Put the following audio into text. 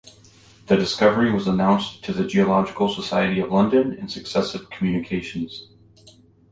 The discovery was announced to the Geological Society of London in successive communications.